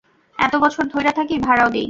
এত বছর ধইরা থাকি, ভাড়াও দেই।